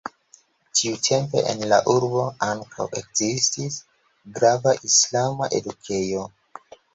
Tiutempe en la urbo ankaŭ ekzistis grava islama edukejo.